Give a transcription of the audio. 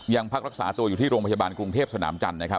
ยังพักรักษาตัวอยู่ที่โรงพยาบาลกรุงเทพสนามจันทร์นะครับ